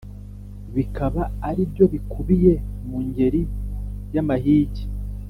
bikaba ari byo bikubiye mu ngeri y’amahigi.